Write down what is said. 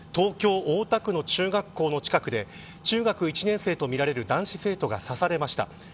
東京、大田区の中学校の近くで中学一年生とみられる男子生徒が刺されました。